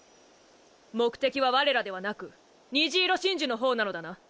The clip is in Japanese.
目的は我らではなく虹色真珠の方なのだな？